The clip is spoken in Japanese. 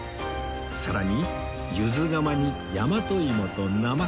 さらにゆず釜に大和芋となまこ